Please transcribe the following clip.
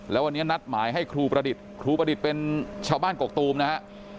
แล้ววันนี้นัดหมายให้ครูประดิษฐ์ครูประดิษฐ์เป็นชาวบ้านกกตูมนะฮะ